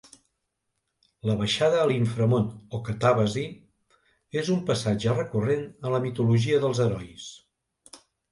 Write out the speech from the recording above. La baixada a l'inframón o catàbasi és un passatge recurrent en la mitologia dels herois.